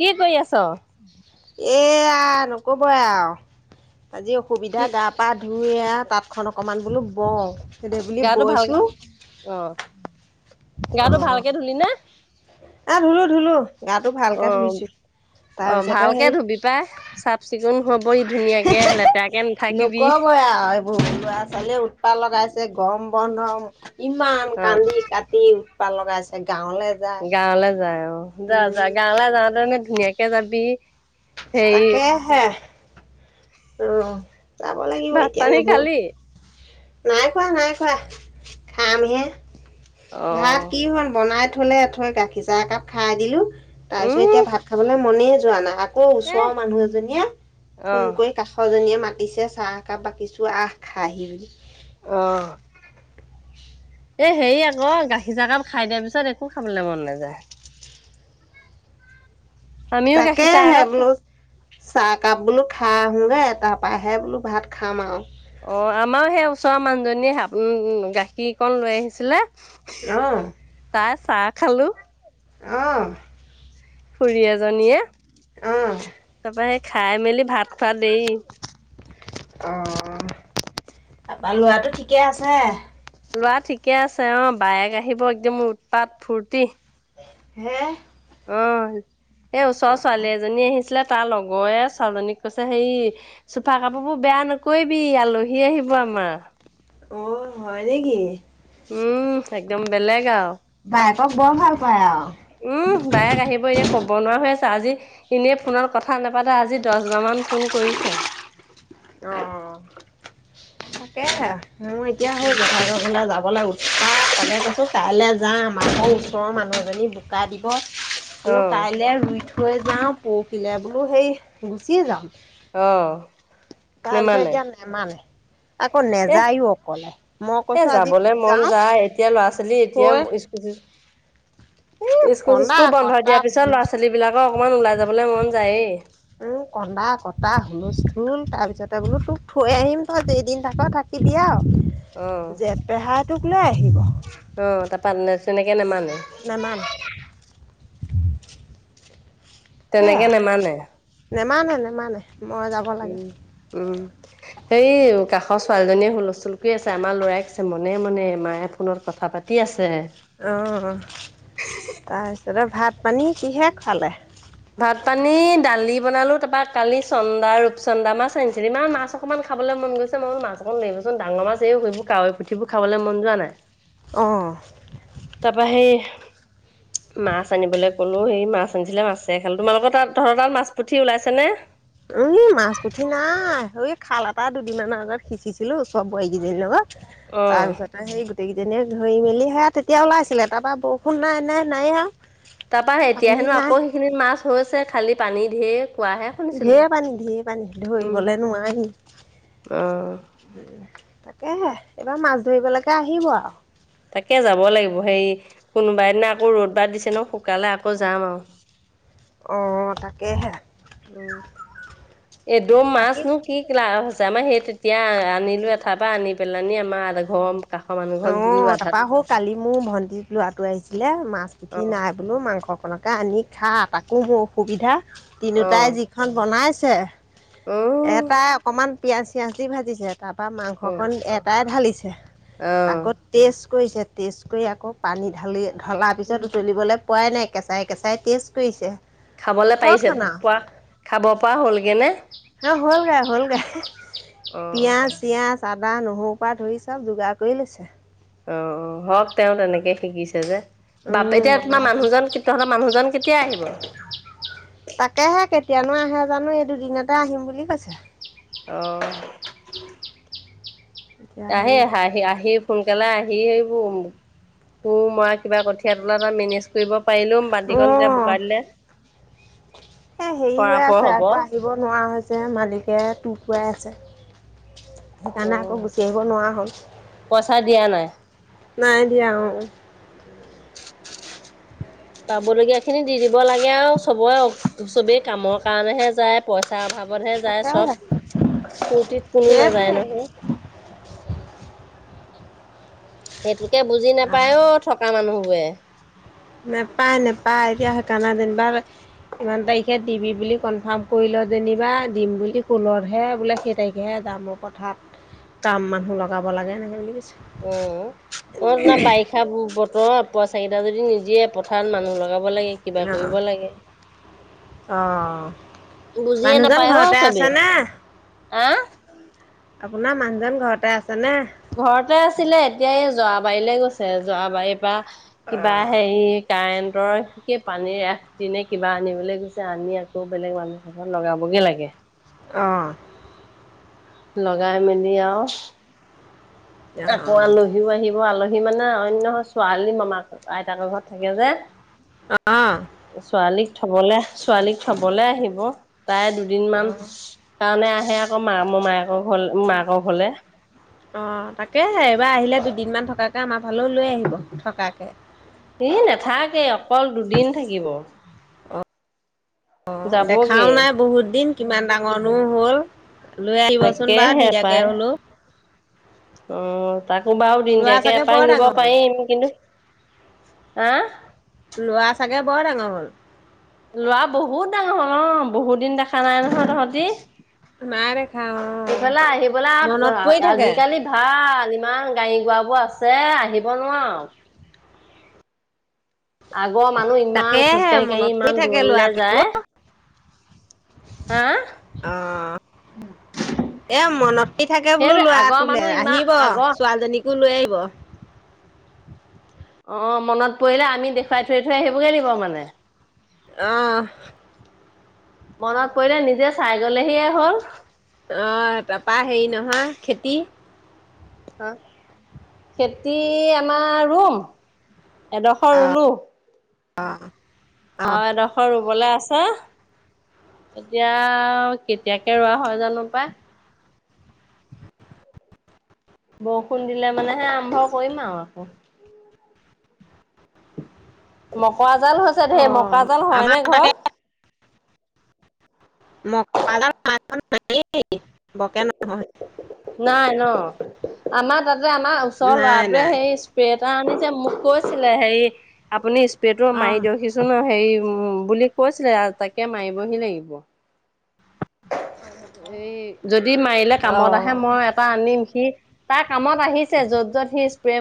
কি কৰি আছ? এইয়া নক'বই আও আজি অসুবিধা কি গা- পা ধুই এইয়া তাঁতখন অকণমান বোলো বওঁ। সেইদে বুলি গাটো ভালকে বৈছোঁ অ গাটো অঁ ভালকে ধুলি নে? এ ধুলো ধুলো গাটো অ ভালকে ধুইছোঁ। অ তাৰপিছতে ভালকে সেই ধুবি পাই, চাফ চিকুণ হৈ বৈ ধুনীয়াকে লেতেৰাকে নাথাকিবি। নক'বই আও এইবোৰ লৰা- ছোৱালীয়ে উৎপাত লগাই আছে গৰম বন্ধ ইমান অ কান্দি কা- টি উৎপাত লগাই আছে গাঁৱলে যা- গাঁৱলে যায় অ যা যা গাঁৱলে যাওঁতেনে ধুনীয়াকে যাবি হেৰি তাকে হে। অ, যাব লাগিব ভাত এতিয়া পানী নহয়। খালি? নাই খোৱা নাই খোৱা, খামহে অ ভাত কি হ'ল বনাই থলে থৈ গাখীৰ চাহ একাপ খাই দিলোঁ। তাৰ পিছত উম এতিয়া ভাত খাবলে মনে যোৱা নাই, আকৌ এ ওচৰৰ মানুহ এজনীয়ে অ ফোন কৰি কাষজনীয়ে মাতিছে চাহ একাপ বাকিছো আহ খাহি বুলি। অ। এ হেৰি আক, গাখীৰ চাহকাপ খাই দিয়াৰ পিছত একো খাবলে মন নাযায়। আমিও তাকে গাখীৰ চাহ হে একাপ বোলো - চাহকাপ বোলো খাই আহোঁগে তা পাহে বোলো ভাত খাম আও। অ আমাৰো সেই ওচৰৰ মানুহজনীয়ে উম উম গাখীৰ অকন লৈ আহিছিলে অঁ। তাৰ চাহ খালোঁ। অঁ। খুৰী এজনীয়ে, অহ তা পা সেই খাই মেলি ভাত খোৱা দেৰি। অ অ, তা পা ল'ৰাটো ঠিকেই আছে? ল'ৰা ঠিকেই আছে অ, বায়েক আহিব একদম উৎপাত ফূৰ্তি। হে! আহ, এই ওচৰৰ ছোৱালী এজনী আহিছিলে তাৰ লগৰে ছোৱালীজনীক কৈছে হেৰি চোফা কাপোৰ বোৰ বেয়া নকৰিবি আলহী আহিব আমাৰ। অ, হয় নেকি? উম, একদম বেলেগ আৰু। বায়েকক বৰ ভাল পায় আৰু! উম, বায়েক আহিব এতিয়া, ক'ব নোৱাৰা হৈ আছে! আজি। এনেই ফোনত কথা না পাতে। আজি, দহ বাৰ মান ফোন কৰিছে। অ'! তাকেহে, মই এতিয়া [unintelligible] অ'! [unintelligible] কৈছোঁ, কাইলৈ যাম। আকৌ, ঘৰ ওচৰৰ মানুহ এজনী বোকা দিব। অ বোলোঁ, কাইলে ৰোই থৈ যাওঁ, পৰহিলে বোলোঁ সেই গুচি যাওঁ। অ'! তাৰপিছত, নেমানে এতিয়া নেমানে। আকৌ, এহ নেযায়ো অকলে। মই এ কৈছোঁ যাবলে আজিতো মন যাওঁ। যায় এতিয়া ল'ৰা থৈ [unintelligible] এই কন্দা স্কুল-চিস্কুল বন্ধ কটা দিয়াৰ পিছত, হুলস্থুল ল'ৰা-ছোৱালী বিলাকৰ অকমান ওলাই যাবলৈ মন যায়েই। উম, কন্দা-কটা হুলস্থুল! তাৰ পিছতে, বোলোঁ তোক থৈ আহিম, তই যেইদিন থাক, থাক। এতিয়া অ আৰু যে, পেহাইটোক লৈ আহি অ'! তাৰাপা, [unintelligible] তেনেকে নামানে। নামানে। [unintelligible] তেনেকে নেমানে। নেমানে-নেমানে, মই যাব লাগে। উম উম। সেই, কাষৰ ছোৱালীজনীয়ে হুলস্থুল কৰি আছে। আমাৰ লৰাই কৈছে, মনে-মনে, মায়ে ফোনত কথা পাতি তি আছে। অ'! তাৰপিছতে, ভাত-পানী কিহে খোৱালে? ভাত-পানী, দালি বনালোঁ। তাৰপা, কালি চন্দা, ৰূপচন্দা মাছ আনিছিলে। ইমান মাছ অকণমান খাবলৈ মন গৈছে। মই বোলোঁ, মাছ অকণ লৈ আহিবচোন? ডাঙৰ মাছ, এই সেইবোৰ কাৱৈ পুঠিবোৰ খাবলৈ মন যোৱা নাই। অ'! তাৰপা সেই, [unintelligible] মাছ আনিবলৈ ক'লোঁ, সেই মাছ আনিছিলে, মাছেই খালোঁ। তোমালোকৰ তাত, তহঁতৰ তাত, মাছ পুঠি ওলাইছেনে? উম, মাছ পুঠি নাই! সৈ খাল এটাত, দুদিনমানৰ আগত সিঁচিছিলোঁ, ওচৰ বোৱাৰী কেইজনীৰ লগত। অ [unintelligible] তাৰপিছত, সেই, গোটেই কেইজনীয়ে ধৰি মেলি, সেয়া তেতিয়া, ওলাইছিলে। তাৰপৰা, বৰষুণ নাই-নাই- নাই আৰু। তাৰপা, এতিয়া পানী হেনোঁ নাই আকৌ, সেইখিনিত মাছ হৈছে। খালি, পানী ঢেৰ! কোৱাহে শুনিছিলো। ঢেৰ পানী-ঢেৰ পানী! উম ধৰিবলে নোৱাৰি। অ [unintelligible] তাকেহে, এইবাৰ মাছ ধৰিবলৈকে আহিব আৰু? তাকে, যাব লাগিব। সেই, কোনোবাইদিনা আকৌ, ৰ'দ বা দিছে ন' শুকালে আকৌ, যাম আৰু। অ'! তাকেহে। উম, এদুম মাছ বাকী নো কি কি লাভ হৈছে। আমাৰ সেই, তেতিয়া আনিলোঁৱে এঠাইৰ পৰা আনি পেলনি, আমাৰ ঘৰ কাষৰ মানুহ ঘৰক দিলো অ'! আধাত তাৰাপা, সৌ কালি মোৰ, ভন্টি ল'ৰাটো আহিছিলে, মাছ অ পুঠি নাই। বোলোঁ, মাংস খনকে আনি খা, তাকো মোৰ অসুবিধা। অ তিনিওটাই যি খন বনাইছে, অ এটাই অকমান পিঁয়াজ-চিয়াঁজ দি ভাজিছে, তাৰপৰা, অ মাংসকণ এটাই ঢালিছে। অ আকৌ, টেষ্ট কৰিছে, টষ্ট কৰি আকৌ, পানী ঢালি, ঢলাৰ উম পিছত উতলিবলে পোৱাই নাই, কেঁচাই-কেঁচাই টেষ্ট কৰিছে। খাবলে পাৰিছে, হখন পোৱা, আৰু খাব পৰা হ'লগেনে? হ হ'ল গে হ'ল গে অ', পিয়াজ চিয়াজ আদা নহৰু পৰা ধৰি চব যোগাৰ কলৈ আছে। অ অ হওক তেওঁ তেনেকেই শিকিছে যে। বাপকে উম এতিয়া তোমাৰ বনাই দিছে মানুহজন তহতৰ মানুহজন কেতিয়া আহিব? তাকেহে কেতিয়ানো আহে জানো এই দুদিনতে আহিম বুলি কৈছে? অ, এতিয়া আহে হেৰি হে আহ সোনকালে আহি আহিবোৰ শু মৰা কিবা কঠিয়া তোলা এটা মেনেজ ফুৰিব পাৰিলো বাতিকন তেতিয়া অ'। বোকা দিলে? এ হেৰি হৈ পৰাপৰ আছে হ'ব আকৌ আহি ন হৈছে মালিকে‌ তুতুৱাই আছে। সেইকাৰণে আকৌ অ', গুচি আহিব নোৱাৰা পইচা দিয়া নাই। হ'ল নাই দিয়া আৰু [unintelligible] পাবলগীয়া খিনি দি দিব লাগে আৰু চবৰে চবেই কামৰ কাৰণেহে যায় পইচাৰ অভাৱ। হে যায় তাকেহে চব ফূুৰ্তিত কোনো নাযায় সেইটোৱে। নহয়। সেইটোকে বুজি নাপায় অ থকা মানুহবোৰে। নাপাই নাপাই সেইকাৰণে এতিয়া দিন বাৰ ইমান তাৰিখে দিবি বুলি কনফাৰ্ম কৰি ল যেনিবা দিম বুলি কুলতহে বোলে সেই তাৰিখেহে যাম কথাত কাম মানুহ লগাব লাগে এনেকে বুলি কৈছে। উম ম ন বাইক কঠা বতৰ পোৱা পইছা কেইটা যদি নিদিয়ে পথাৰত মানুহ লগাব লাগে। কিবা অ', কৰিব লাগে? অ বুজিয়ে মানুহজন নাপায় ঘৰতে চবেই আছেনে? অ, আপোনাৰ মানুহজন ঘৰতে আছে নে? ঘৰতে আছিলে এতিয়া এই যোৱাবাৰীলৈ গৈছে যৰাাবাৰীৰ পৰা কিবা অ', হেৰি? কাৰেণ্টৰকে পানীৰ এ দিনে কিবা আনিবলৈ গৈছে আনি আকৌ বেলেগ মানুহে ত লগাবগে লাগে? অ, লগাই মেলি আৰু আকৌ আলহীও আহিব আলহী মানে অন্য ছোৱালী মামাক আইতাকৰ ঘৰত থাকে যে। অ', ছোৱালীক থবলে ছোৱালীক থবলে আহিব তাই দুদি দুদিন মান অ', কাৰণে আহে আকৌ মামা মায় ঘৰ মাকৰ ঘৰলে। অ তাকে এইবাৰ আহিলে দুদিনমান থকাকে আমাৰ ফালেও লৈ আহিব থকাকে ই নাথাকে অকল দুদিন থাকিব। অ দেখাও যাবগে নাই বহুত দিন কিমান ডাঙৰনো হ'ল। লৈ আহিবচোন বা তাকেহে দিতাকে হলো। উম তাকো বাৰু ল'ৰা দিনটীয়াকে চাগে বৰ এপাক নিব ডাঙৰ হ'ল। পাৰিম কিন্তু হা ল'ৰা ছাগে বৰ ডাঙৰ হ'ল। ল'ৰা বহুত ডাঙৰ হ'ল অ বহুত দিন দেখা নাই নহয় তহঁতি নাই দেখা অ', সিফালে আহিবেলা মনত পৰি থাকে। আজিকালি ভাল ইমান গাড়ী গুৰা বোৰ আছে আহিব নোৱাৰ। আগৰ মানুহ ইমান তাকেহে খোজকাঢ়ি কাঢ়ি মনত পৰি ইমান থাকে দূৰণিলে ল'ৰাটো যায়। হা। অ এ মনত। হি থাকে বোলো, সেইটো লোৱা আগৰ তোলে মানুহ ইমান আহিব আগৰ ছোৱালীজনীকো লৈ আহিব। অ', মনত পৰিলে, আমি দেখুৱাই থৈ, থৈ আহিবগে লাগিব মানে। অহ মনত পৰিলে নিজে চাই গ'লেহিয়ে হ'ল। অ', তাপা হেৰি নহয়, খেতি হ খেতি আমাৰ ৰুম, এডখৰ ৰুলো। অ', অ', দখ খ ৰুবলৈ আছে, এতিয়া কেতিয়াকে ৰোৱা হয় জানো পাই। বৰষুণ দিলে মানে হে আৰম্ভ কৰিম আৰু আকৌ। মকাৰা জাল হৈছে ধেৰ, মকা অ' জাল হয় আমাৰ নে তাকে ঘৰত? মকৰা জাল আমাৰ ঘৰত নায়ে, বৰ কে নহয়। নাই ন, আমাৰ তাতে আমাৰ ন- ওচৰৰ নাই ল'ৰাটোৱে নাই। হেই স্প্ৰে এটা আনিছে, মোক কৈছিলে, হেৰি, আপুনি স্প্ৰেটো মাৰি অ'। দিয়কহি চুন ন হেৰিম বুলি কৈছিলে আৰু তাকে মাৰিবহি লাগিব। এই, যদি মাৰিলে কামত আহে অ'। মই এটা আনিম' সি তাৰ কামত আহিছে, য'ত, য'ত, সি স্প্ৰে ম